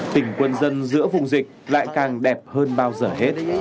tỉnh quân dân giữa vùng dịch lại càng đẹp hơn bao giờ hết